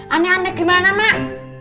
aneh aneh gimana mak